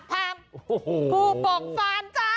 โอ้โหภูโป่งฟานจ้า